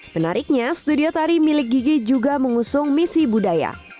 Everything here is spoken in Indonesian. menariknya studio tari milik gigi juga mengusung misi budaya